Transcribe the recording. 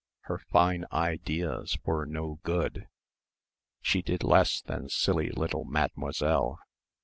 Her fine ideas were no good. She did less than silly little Mademoiselle.